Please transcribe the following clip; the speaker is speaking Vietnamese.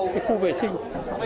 cái khu vệ sinh